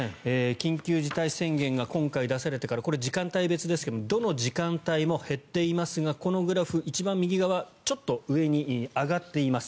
緊急事態宣言が今回出されてからこれは時間帯別ですけれどもどの時間帯も減っていますがこのグラフ、一番右側ちょっと上に上がっています。